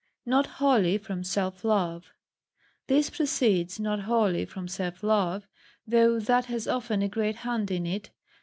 Not wholly from Self love. This proceeds not wholly from self love, though that has often a great hand in it.